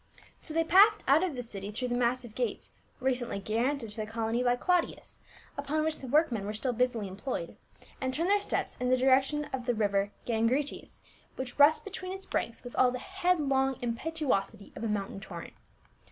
IN run J PPT. 319 So they passed out of the city through the massive gates, recently granted to the colony by Claudius, upon which the workmen were still busily employed, and turned their steps in the direction of the river Gangites, which rushed between its banks with all the headlong impetuosity of a mountain torrent.